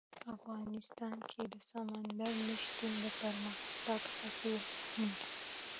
افغانستان کې د سمندر نه شتون د پرمختګ هڅې روانې دي.